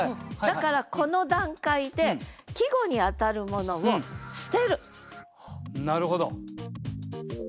だからこの段階でなるほど。